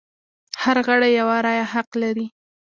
هر غړی یوه رایه حق لري.